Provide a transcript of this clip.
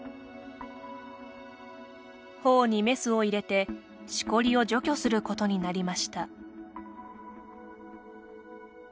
頬にメスを入れて、しこりを除去することになりました。